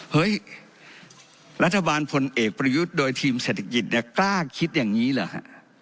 เฮ้ยรัฐบาลพลเอกประยุทธ์โดยทีมเศรษฐกิจเนี่ยกล้าคิดอย่างนี้เหรอฮะ